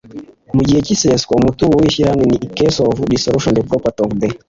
mu gihe cy iseswa umutungo w ishyirahamwe in case of dissolution the property of the